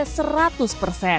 kita kan ukurannya cukup besar